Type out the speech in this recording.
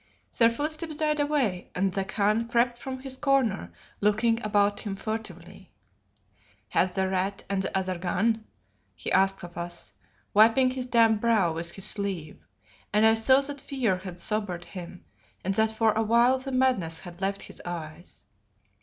Their footsteps died away, and the Khan crept from his corner, looking about him furtively. "Have that Rat and the other gone?" he asked of us, wiping his damp brow with his sleeve; and I saw that fear had sobered him and that for awhile the madness had left his eyes.